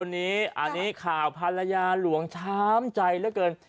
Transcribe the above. อันนี้อันนี้ข่าวภรรยาหลวงช้ำใจเหลือเกิน